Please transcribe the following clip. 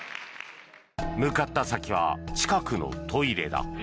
向かった先は近くのトイレだ。